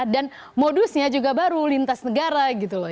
dan modusnya juga baru lintas negara gitu loh